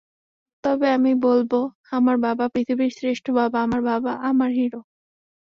তবে আমি বলব আমার বাবা পৃথিবীর শ্রেষ্ঠ বাবা, আমার বাবা আমার হিরো।